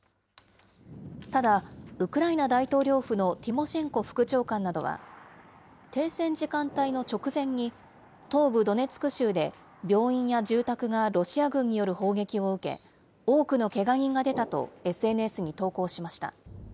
ただ、ウクライナ大統領府のティモシェンコ副長官などは、停戦時間帯の直前に、東部ドネツク州で病院や住宅がロシア軍による砲撃を受け、多くのけが人が出たとＳＮＳに投稿しました。